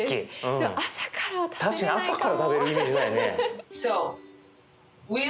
確かに朝から食べるイメージないね。